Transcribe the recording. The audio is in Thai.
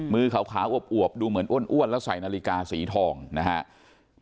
มือขาวอวบดูเหมือนอ้วนแล้วใส่นาฬิกาสีทองนะครับ